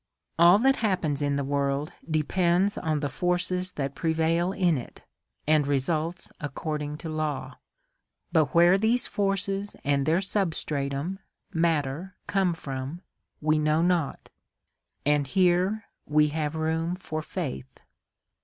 "All that happens in the world depends on the forces that pre vail in it, and results according to law; but where these forces and their substratum, Matter, come from, we know not, and here we have room for faith."